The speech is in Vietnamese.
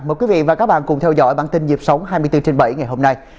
mời quý vị và các bạn cùng theo dõi bản tin dịp sống hai mươi bốn trên bảy ngày hôm nay